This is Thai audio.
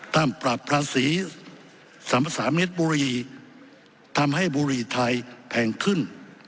ท่านปราบพระศรีสำสามิทบุรีทำให้บุรีไทยแพงขึ้น